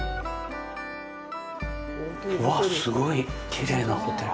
うわっ、すごいきれいなホテル。